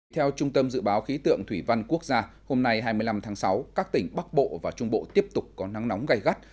theo trung tâm dự báo khí tượng thủy văn quốc gia hôm nay hai mươi năm tháng sáu các tỉnh bắc bộ và trung bộ tiếp tục có nắng nóng gai gắt